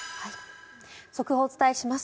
速報をお伝えします。